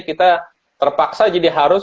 kita terpaksa jadi harus